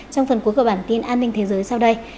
trong phần cuối của bản tin an ninh thế giới sau đây